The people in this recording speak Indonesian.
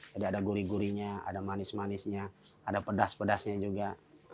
jadi ada gurih gurihnya ada manis manisnya ada pedas pedasnya juga